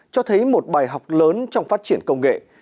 cho thấy một bài học lớn trong phát triển công nghệ